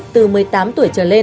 từ một mươi tám tuổi trở lên